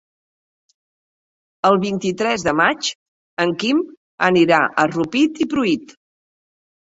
El vint-i-tres de maig en Quim anirà a Rupit i Pruit.